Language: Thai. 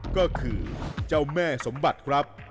ก็คือเจ้าแม่สมบัติครับ